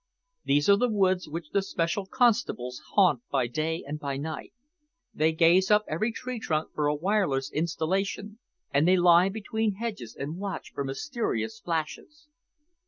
"These are the woods which the special constables haunt by day and by night. They gaze up every tree trunk for a wireless installation, and they lie behind hedges and watch for mysterious flashes."